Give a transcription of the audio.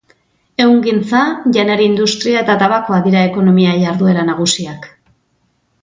Ehungintza, janari industria eta tabakoa dira ekonomia jarduera nagusiak.